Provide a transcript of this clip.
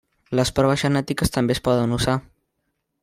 Les proves genètiques també es poden usar.